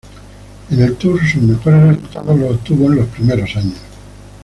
En el Tour, sus mejores resultados los obtuvo en los primeros años.